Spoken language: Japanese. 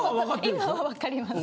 今は分かります。